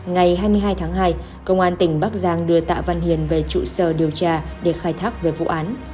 ngày hai mươi hai tháng hai công an tỉnh bắc giang đưa tạ văn hiền về trụ sở điều tra để khai thác về vụ án